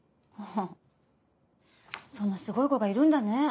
そんなすごい子がいるんだね。